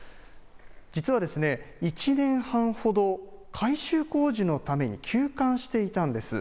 実は、１年半ほど改修工事のために休館していたんです。